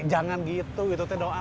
jangan gitu gitu doa